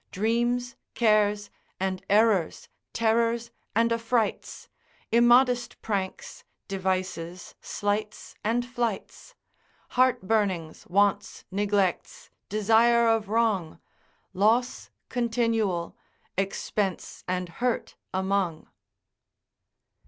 Dreams, cares, and errors, terrors and affrights, Immodest pranks, devices, sleights and flights, Heart burnings, wants, neglects, desire of wrong, Loss continual, expense and hurt among.